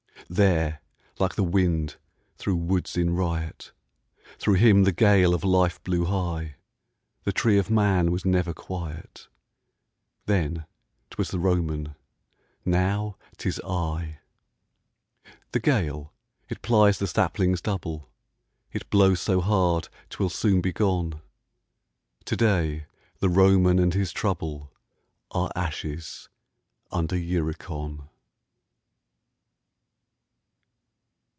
There, like the wind through woods in riot, Through him the gale of life blew high; The tree of man was never quiet: Then 'twas the Roman, now 'tis I. The gale, it plies the saplings double, It blows so hard, 'twill soon be gone: To day the Roman and his trouble Are ashes under Uricon.